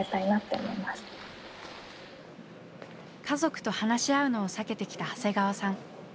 家族と話し合うのを避けてきた長谷川さん。